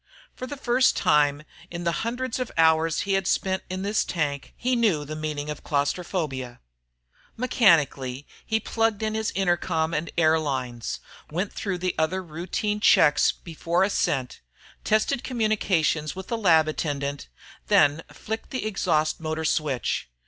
For the first time in the hundreds of hours he'd spent in the tank, he knew the meaning of claustrophobia. Mechanically, he plugged in his intercom and air lines, went through the other routine checks before ascent, tested communications with the lab attendant, then flicked the exhaust motor switch.